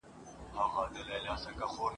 هره شپه د یوه بل خوب ته ورتللو ..